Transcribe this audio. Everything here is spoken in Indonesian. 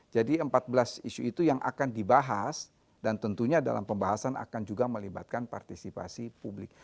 empat belas isu itu yang akan dibahas dan tentunya dalam pembahasan akan juga melibatkan partisipasi publik